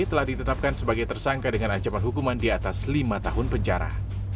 telah ditetapkan sebagai tersangka dengan ancaman hukuman di atas lima tahun penjara